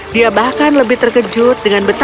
dia bahkan lebih terkejut dengan betawi